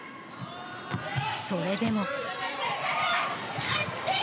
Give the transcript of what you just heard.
それでも。